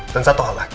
dan satu hal lagi